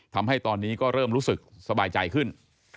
ทำให้ตอนนี้ก็เริ่มรู้สึกสบายใจขึ้น